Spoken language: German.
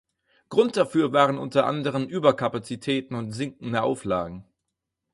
Grund dafür waren unter anderem Überkapazitäten und sinkende Auflagen.